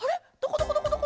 どこどこどこ？